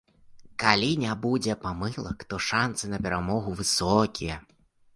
Калі не будзе памылак, то шанцы на перамогу высокія.